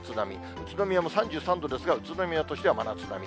宇都宮も３３度ですが、宇都宮としては真夏並み。